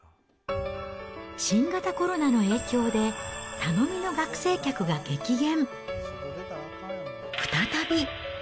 新型コロナの影響で、頼みの学生客が激減。